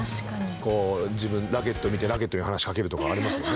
こうラケット見てラケットに話しかけるとかありますもんね。